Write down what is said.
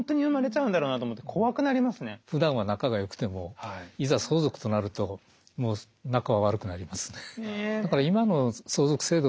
いつも！？ふだんは仲が良くてもいざ相続となると仲は悪くなりますね。